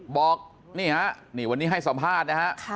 บอกวันนี้ให้สอมภาษณ์